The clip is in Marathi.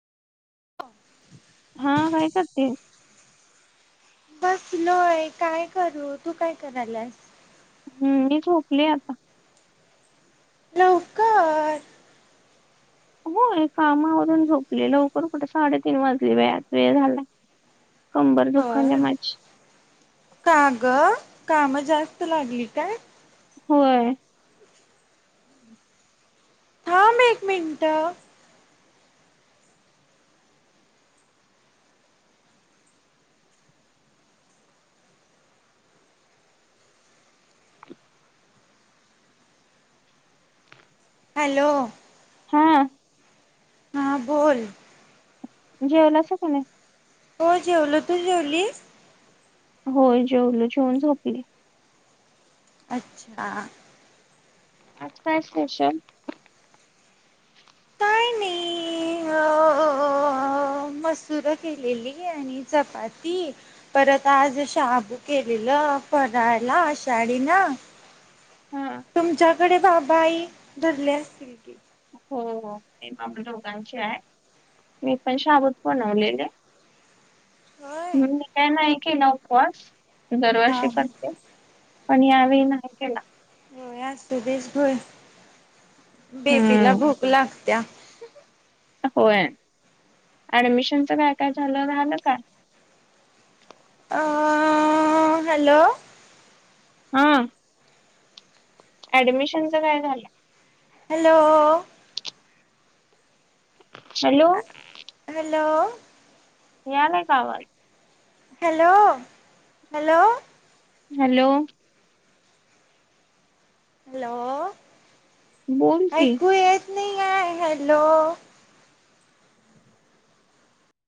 हो. हा, काय करते? बसलोय. काय करू? तू काय कराल्यास? हम्, मी झोपले आता. लवकर होय. कामं आवरून झोपले. लवकर कुठे साडेतीन वाजली बाई आता वेळ झालाय. कंबर दुखाल्या होय माझी. का गं, कामं जास्त लागली काय? होय. थांब एक मिनिटं. [inaudible] हॅलो. हा. हा, बोल. जेवलासा का नाय? हो जेवलो, तू जेवलीस? हो जेवलो, जेवून झोपलो. अच्छा! आज काय स्पेशल? काय नाही अ मसूर केलेली आणि चपाती. परत, आज शाबू केलेलं फराळला आषाढीला. हा तुमच्याकडे बाबाआई धरले असतील की. हो हे माम दोघांची आहे. मी पण शाबूच बनवले. होय हम्. मी काय नाही केला उपवास दरवर्षी हा करते. पण यावेळी नाही केला. होय असू दे सोड. बेबीला हम्म भूक लागत्या. होय. ऍडमिशनच काय काय झालं, झालं काय? अ हॅलो. हां. ऍडमिशनच काय झालं? हॅलो. हॅलो. हॅलो. यालाय का आवाज. Hello, hello. हॅलो. हॅलो बोल की. ऐकू येत नाहीये हॅलो.